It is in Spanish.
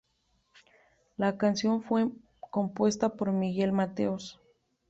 La canción fue compuesta por Miguel Mateos.